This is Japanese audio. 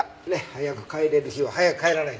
早く帰れる日は早く帰らないとな。